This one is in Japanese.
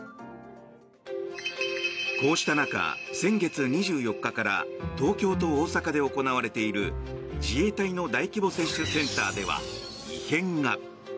こうした中、先月２４日から東京と大阪で行われている自衛隊の大規模接種センターでは異変が。